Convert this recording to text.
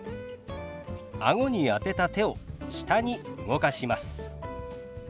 あごに当てた手を下に動かします。